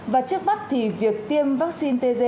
và trước mắt thì việc tiêm vaccine tg